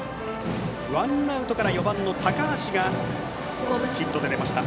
ワンアウトから４番の高橋がヒットで出ました。